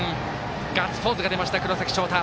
ガッツポーズが出ました黒崎翔太。